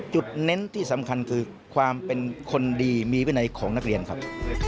เน้นที่สำคัญคือความเป็นคนดีมีวินัยของนักเรียนครับ